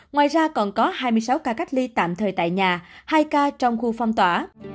ngoài ra còn có hai mươi sáu ca cách ly tạm thời tại nhà hai ca trong khu phong tỏa